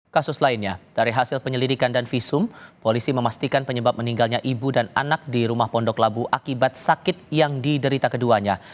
kasus lainnya dari hasil penyelidikan dan visum polisi memastikan penyebab meninggalnya ibu dan anak di rumah pondok labu akibat sakit yang diderita keduanya